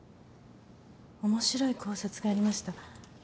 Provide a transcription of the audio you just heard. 面白い考察がありました。